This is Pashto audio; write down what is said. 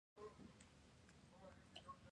د پروفيسر او ټيچنګ کنسلټنټ پۀ حېث يت کار کوي ۔